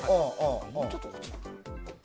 もうちょっとこっち。